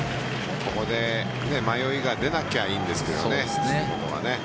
ここで迷いが出なければいいんですけどね。